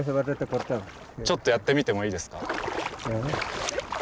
ちょっとやってみてもいいですか？